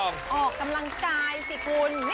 ออกกำลังกายสิคุณ